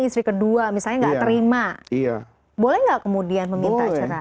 istri kedua misalnya nggak terima boleh nggak kemudian meminta cerah